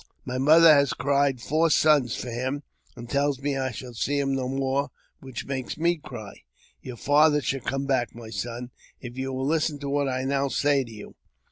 My mother has cried four suns for him, and tells me I shall see him no more, which makes me cry." I I 326 AUTOBIOGRAPHY OF "Your father shall come back, my son, if you will listen what I now say to you."